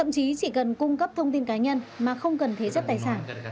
chỉ cần cung cấp thông tin cá nhân mà không cần thế chấp tài sản